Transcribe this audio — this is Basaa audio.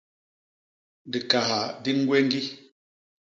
Dikaha di ñgwéñgi.